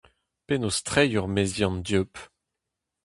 Penaos treiñ ur meziant dieub ?